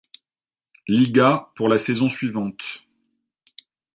Liga, pour la saison suivante.